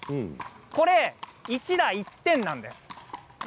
これは１打１点なんです。